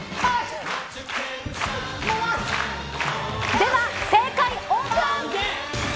では、正解オープン！